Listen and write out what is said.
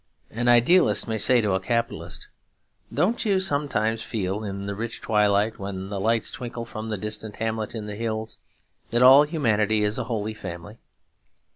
An idealist may say to a capitalist, 'Don't you sometimes feel in the rich twilight, when the lights twinkle from the distant hamlet in the hills, that all humanity is a holy family?'